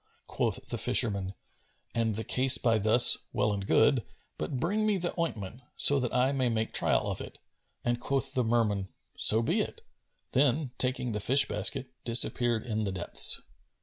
Quoth the fisherman, "An the case by thus, well and good; but bring me the ointment, so that I may make trial of it;" and quoth the Merman, "So be it;" then, taking the fish basket disappeared in the depths.